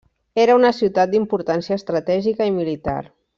Era una ciutat d'importància estratègica i militar.